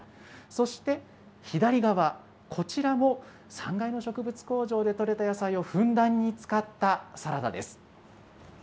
そして左側、こちらも３階の植物工場で取れた野菜をふんだんに使ったサラダです。